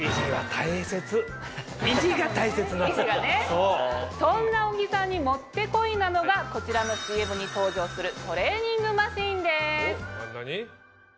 そんな小木さんにもってこいなのがこちらのＣＭに登場するトレーニングマシンです。